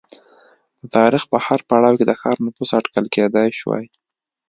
د تاریخ په هر پړاو کې د ښار نفوس اټکل کېدای شوای